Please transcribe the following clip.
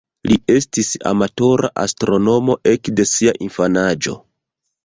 Li estis amatora astronomo ekde sia infanaĝo.